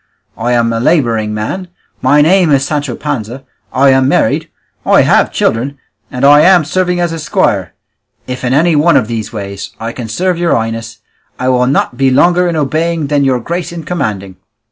I am a labouring man, my name is Sancho Panza, I am married, I have children, and I am serving as a squire; if in any one of these ways I can serve your highness, I will not be longer in obeying than your grace in commanding."